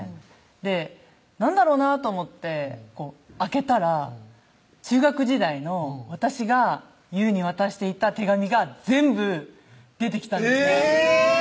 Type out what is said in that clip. で何だろうなと思って開けたら中学時代の私が雄に渡していた手紙が全部出てきたんですねえぇ！